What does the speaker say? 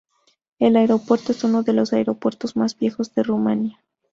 El aeropuerto es uno de los aeropuertos más viejos de Rumanía.